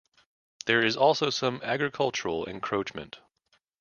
There is also some agricultural encroachment.